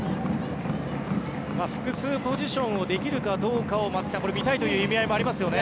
複数ポジションをできるかどうかを松木さん、見たいという意味合いもありますよね。